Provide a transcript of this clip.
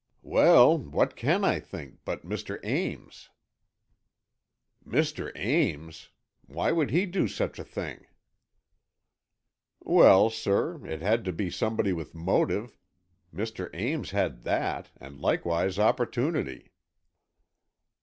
"Well, what can I think, but Mr. Ames." "Mr. Ames! Why would he do such a thing?" "Well, sir, it had to be somebody with motive. Mr. Ames had that, and likewise opportunity."